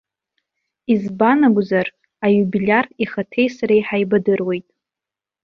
Избан акәзар, аиубилиар ихаҭеи сареи ҳаибадыруеит.